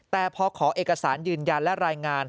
แต่พอขอเอกสารยืนยันและรายงาน